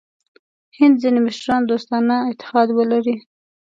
هند ځیني مشران دوستانه اتحاد ولري.